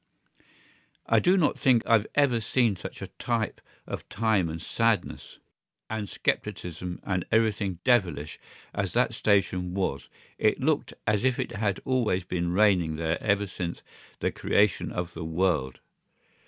I do not think I have ever seen such a type of time and sadness and scepticism and everything devilish as that station was: it looked as if it had always been raining there ever since the creation of the world.